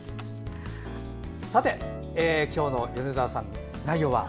今日の米澤さんの内容は？